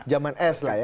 zaman s lah ya